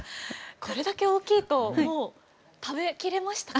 これだけ大きいと食べ切れましたか？